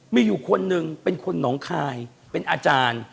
มีอยู่คนหนึ่งเป็นคนหนองคายเป็นอาจารย์